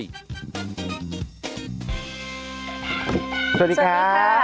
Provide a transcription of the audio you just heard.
สวัสดีครับ